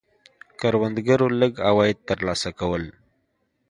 کروندګرو لږ عواید ترلاسه کول.